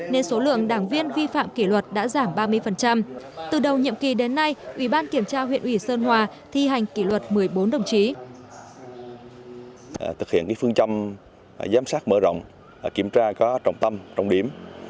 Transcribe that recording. nên số lượng đảng viên vi phạm kỷ luật đã giảm